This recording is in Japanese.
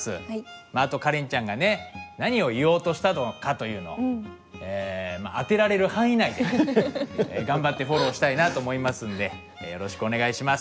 まああとカレンちゃんがね何を言おうとしたのかというのをまあ当てられる範囲内で頑張ってフォローしたいなと思いますんでよろしくお願いします。